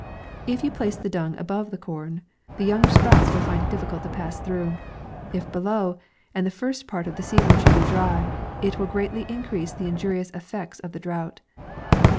If you place the dung above the corn, the young sprouts will find it difficult to pass through ; if below, and the first part of the season should be dry, it will greatly increase the injurious effects of the drought.